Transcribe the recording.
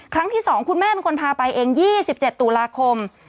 ครั้งที่๒คุณแม่เป็นคนพาไปเอง๒๗ตุลาคม